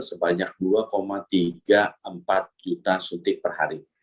sebanyak dua tiga puluh empat juta suntik per hari